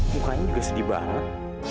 mukanya juga sedih banget